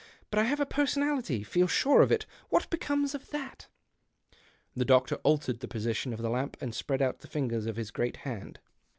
But I have a personality, feel sure of it — what becomes of that ?" The doctor altered the position of the lamp, and spread out the fingers of his great hand.